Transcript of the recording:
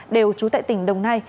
đều trú tại tỉnh đồng nai